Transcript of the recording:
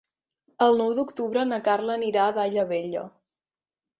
El nou d'octubre na Carla anirà a Daia Vella.